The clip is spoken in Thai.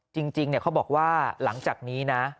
จริงเขาบอกว่าหลังจากนี้นะ